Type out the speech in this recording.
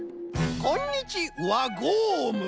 こんにちワゴーム！